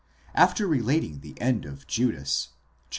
After relating the end of Judas (xxvii.